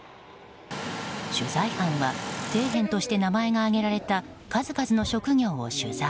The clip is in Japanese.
取材班は、底辺として名前が挙げられた数々の職業を取材。